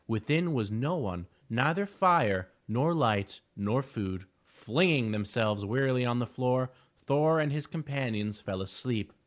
Within was no one, neither fire, nor light, nor food. Flinging themselves wearily on the floor, Thor and his companions fell asleep.